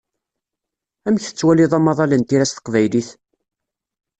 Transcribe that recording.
Amek tettwaliḍ amaḍal n tira s teqbaylit?